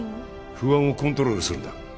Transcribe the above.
不安をコントロールするんだ